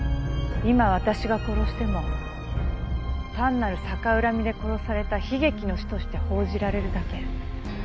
今私が殺しても単なる逆恨みで殺された悲劇の死として報じられるだけ。